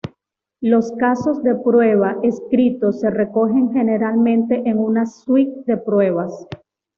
Los casos de prueba escritos se recogen generalmente en una suite de pruebas.